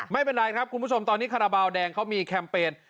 ไม่เป็นไรครับคุณผู้ชมตอนนี้คาราบาลแดงเขามีแคมเปญ